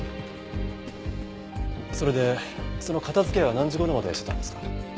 それでその片付けは何時頃までしてたんですか？